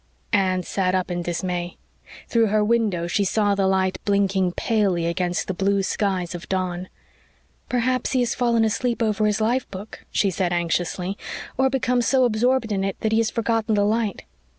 Anne sat up in dismay. Through her window she saw the light blinking palely against the blue skies of dawn. "Perhaps he has fallen asleep over his life book," she said anxiously, "or become so absorbed in it that he has forgotten the light."